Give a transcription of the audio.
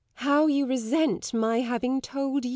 _] How you resent my having told _you!